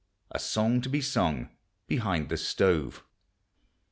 A SONG TO BE SUNG BEHIND THE STOVE.